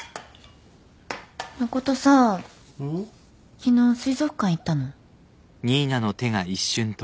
昨日水族館行ったの？